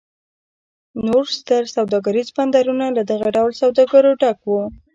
نور ستر سوداګریز بندرونه له دغه ډول سوداګرو ډک و.